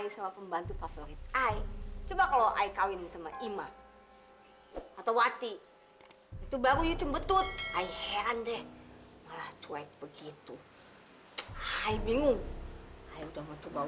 sampai jumpa di video selanjutnya